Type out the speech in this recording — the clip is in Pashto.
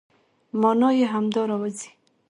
مانا يې همدا راوځي،